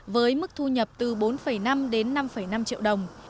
với mức thu nhập từ bốn năm đến năm năm triệu đồng